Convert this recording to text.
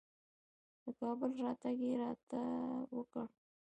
د کابل راتګ یې راته وکړ.